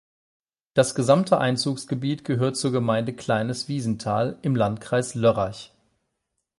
Das gesamte Einzugsgebiet gehört zur Gemeinde Kleines Wiesental im Landkreis Lörrach.